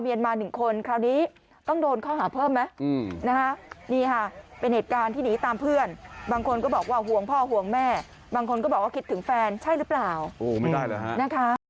หนึ่งคนคราวนี้ต้องโดนข้อหาเพิ่มไหมนะคะนี่ค่ะเป็นเหตุการณ์ที่หนีตามเพื่อนบางคนก็บอกว่าห่วงพ่อห่วงแม่บางคนก็บอกว่าคิดถึงแฟนใช่หรือเปล่าโอ้ไม่ได้แล้วฮะนะคะ